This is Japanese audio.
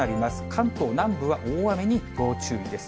関東南部は大雨に要注意です。